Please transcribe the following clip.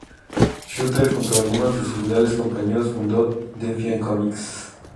Shooter, junto a algunos de sus leales compañeros, fundó Defiant Comics.